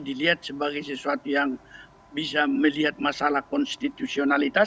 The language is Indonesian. dilihat sebagai sesuatu yang bisa melihat masalah konstitusionalitas